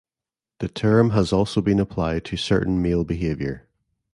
The term has also been applied to certain male behavior.